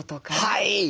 はい！